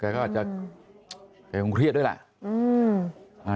แกก็จะคงเครียดด้วยละ